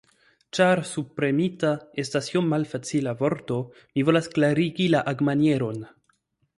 Ĉar subpremita estas iom malfacila vorto, mi volas klarigi la agmanieron.